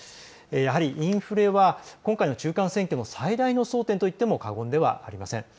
やはりインフレは今回の中間選挙の最大の争点と言っても過言ではありません。